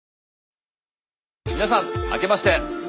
皆さんあけまして。